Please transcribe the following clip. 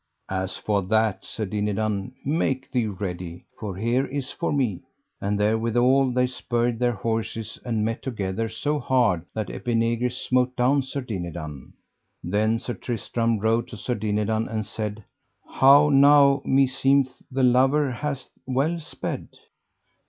As for that, said Dinadan, make thee ready, for here is for me. And therewithal they spurred their horses and met together so hard that Epinegris smote down Sir Dinadan. Then Sir Tristram rode to Sir Dinadan and said: How now, meseemeth the lover hath well sped.